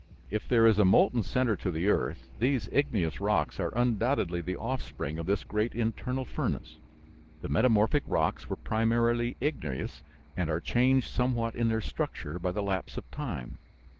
If there is a molten center to the earth these igneous rocks are undoubtedly the offspring of this great internal furnace. The metamorphic rocks were primarily igneous and are changed somewhat in their structure by the lapse of time.